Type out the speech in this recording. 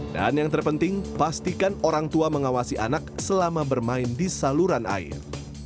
dan yang terpenting pastikan orang tua mengawasi anak selama bermain di saluran air